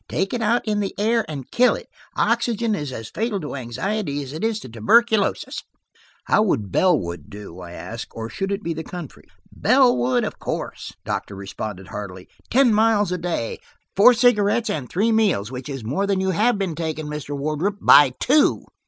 Take it out in the air and kill it; oxygen is as fatal to anxiety as it is to tuberculosis." "How would Bellwood do?" I asked. "Or should it be the country?" "Bellwood, of course," the doctor responded heartily. "Ten miles a day, four cigarettes, and three meals–which is more than you have been taking, Mr. Wardrop, by two."